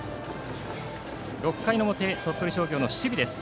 ６回の表、鳥取商業の守備です。